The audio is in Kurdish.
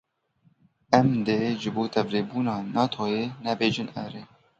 Em dê ji bo tevlîbûna Natoyê nebêjin erê.